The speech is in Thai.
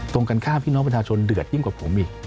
ตรงกันข้ามพี่น้องประชาชนเดือดยิ่งกว่าผมอีก